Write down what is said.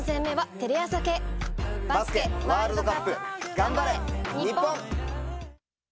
頑張れ日本！